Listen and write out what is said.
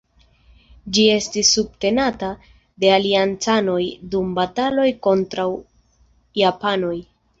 Ĝi estis subtenata de aliancanoj dum bataloj kontraŭ japanoj.